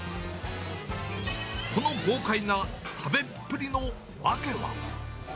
この豪快な食べっぷりの訳は。